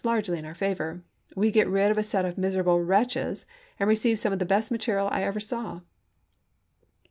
largely in our favor. We get rid of a set of miser able wretches and receive some of the best material I ever saw."